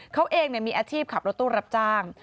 เขาเองมีอาชีพขับรถตู้รับจ้าง